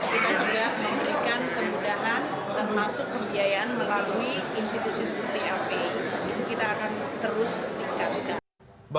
kita juga memberikan kemudahan termasuk pembiayaan melalui institusi seperti lp itu kita akan terus tingkatkan